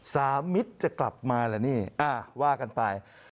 สามิตรจะกลับมาเหรอนี่ว่ากันไป